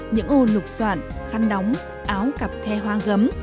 những ô lục soạn khăn đóng áo cặp the hoa gấm